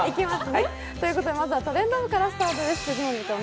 ということで、まずは「トレンド部」からスタートです。